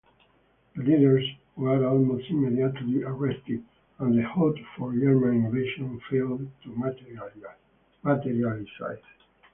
The leaders were almost immediately arrested and the hoped-for German invasion failed to materialise.